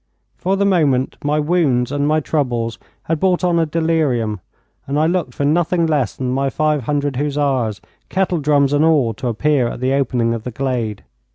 For the moment my wounds and my troubles had brought on a delirium, and I looked for nothing less than my five hundred hussars, kettle drums and all, to appear at the opening of the glade.